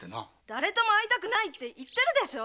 誰とも会いたくないって言ってるでしょう！